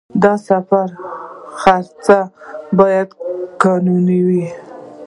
د سفر خرڅ باید قانوني وي